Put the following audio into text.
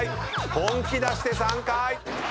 本気出して３回。